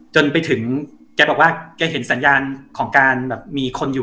จนไปถึงแกบอกว่าแกเห็นสัญญาณของการแบบมีคนอยู่